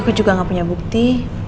aku juga gak punya bukti